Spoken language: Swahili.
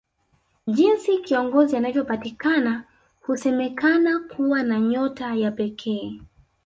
Jinsi kiongozi anavyopatikana husemakana kuwa na nyota ya pekee